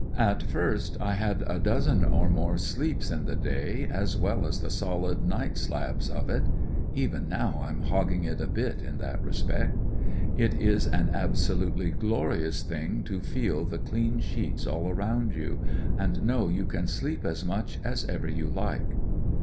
At first I had a dozen or more sleeps in the day as well as the solid night slabs of it. Even now I'm hogging it a bit inthatiespect. It is an absolutely glorious thing to feel the clean sheets all round you, and know you can sleep as much as ever you like.